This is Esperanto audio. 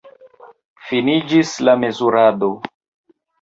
Finiĝis la mezurado.